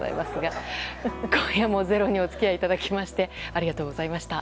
今夜も「ｚｅｒｏ」にお付き合いいただきましてありがとうございました。